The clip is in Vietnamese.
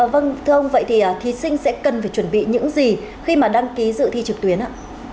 vâng thưa ông vậy thì thí sinh sẽ cần phải chuẩn bị những gì khi mà đăng ký dự thi trực tuyến ạ